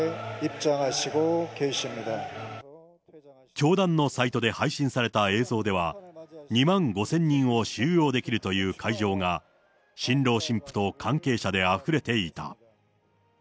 教団のサイトで配信された映像では、２万５０００人を収容できるという会場が新郎新婦と関係者であふれていた。